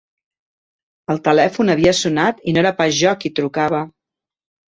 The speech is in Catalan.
El telèfon havia sonat i no era pas jo qui trucava.